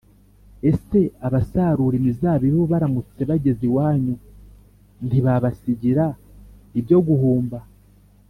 Ese abasarura imizabibu baramutse bageze iwanyu ntibabasigira ibyo guhumba